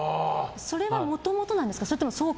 それはもともとなんですか